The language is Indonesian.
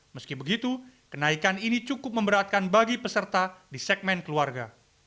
meski begitu kenaikan ini cukup memberatkan bagi peserta di segmen keluarga